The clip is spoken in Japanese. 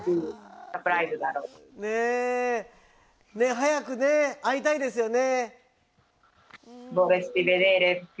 早くね会いたいですよね。